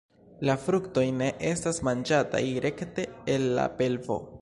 La fruktoj ne estas manĝataj rekte el la pelvo.